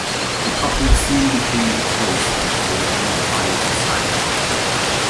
The couple soon became the toast of Parisian high society.